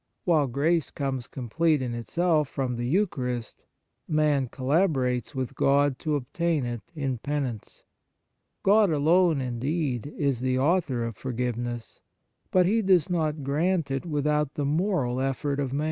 While grace comes complete in itself from the Eucharist, man collaborates with God to obtain it in Penance. God alone, indeed, is the Author of for giveness ; but He does not grant it without the moral effort of man.